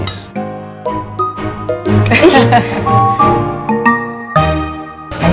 hejor sisiwala beratnya